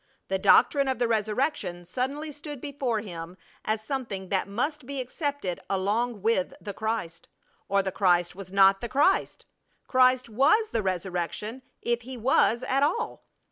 The doctrine of the resurrection suddenly stood before him as something that must be accepted along with the Christ, or the Christ was not the Christ! Christ was the resurrection if He was at all!